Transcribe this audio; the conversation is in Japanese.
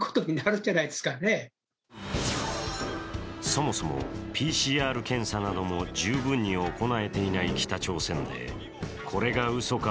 そもそもＰＣＲ検査なども十分に行えていない北朝鮮でこれがうそか